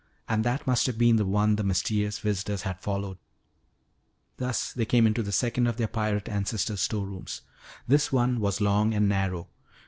And that must have been the one the mysterious visitors had followed. Thus they came into the second of their pirate ancestor's store rooms. This one was long and narrow.